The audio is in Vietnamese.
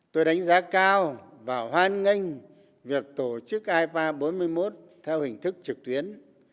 tôi đánh giá cao và hoan nghênh việc tổ chức ipa bốn mươi một theo hình thức trực tuyến